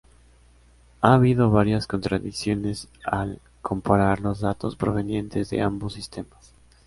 Ha habido varias contradicciones al comparar los datos provenientes de ambos sistemas.